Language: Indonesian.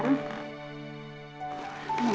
ini foto kak vanya kan